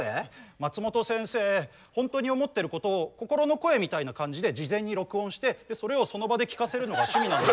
マツモト先生ホントに思ってることを心の声みたいな感じで事前に録音してそれをその場で聞かせるのが趣味なんです。